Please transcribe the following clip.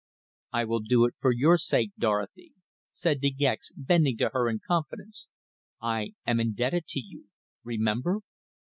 "I will do it for your sake, Dorothy," said De Gex, bending to her in confidence. "I am indebted to you remember!"